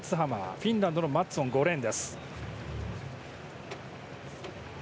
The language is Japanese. フィンランドのマッツォンは５レーン。